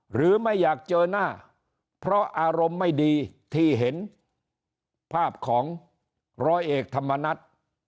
ไม่อยากเจอหน้าเพราะอารมณ์ไม่ดีที่เห็นภาพของร้อยเอกธรรมนัฐ